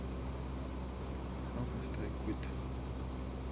How must I quit her?